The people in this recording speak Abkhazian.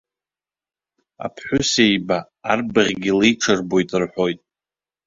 Аԥҳәысеиба арбаӷьгьы леиҽырбоит рҳәоит.